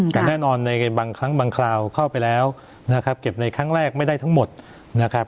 แต่แน่นอนในบางครั้งบางคราวเข้าไปแล้วนะครับเก็บในครั้งแรกไม่ได้ทั้งหมดนะครับ